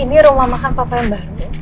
ini rumah makan papa yang baru